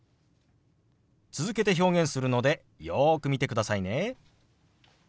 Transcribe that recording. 続けて表現するのでよく見てくださいね。